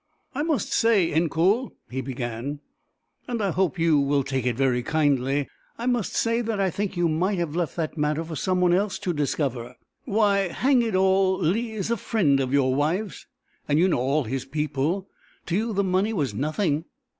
"I must say, Incoul," he began, "and I hope you will take it very kindly I must say that I think you might have left that matter for some one else to discover. Why, hang it all! Leigh is a friend of your wife's; you know all his people; to you the money was nothing.